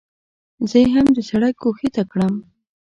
زه یې هم د سړک ګوښې ته کړم.